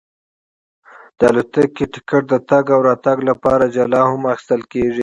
د الوتکې ټکټ د تګ او راتګ لپاره جلا هم اخیستل کېږي.